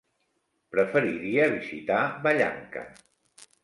Preferiria visitar Vallanca.